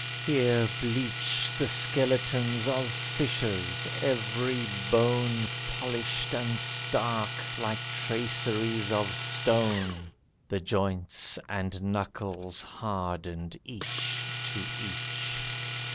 Here bleach The skeletons of fishes, every bone Polished and stark, like traceries of stone, The joints and knuckles hardened each to each.